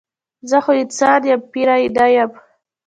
زه خو انسان یم پیری نه یم.